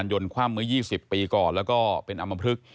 ยนคว่ำเมื่อ๒๐ปีก่อนแล้วก็เป็นอำมพลึก